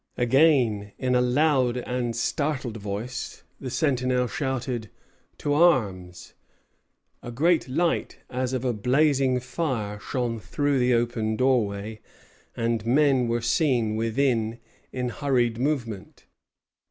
Again, in a loud and startled voice, the sentinel shouted, "To arms!" A great light, as of a blazing fire, shone through the open doorway, and men were seen within in hurried movement.